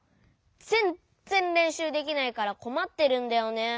ぜんっぜんれんしゅうできないからこまってるんだよね。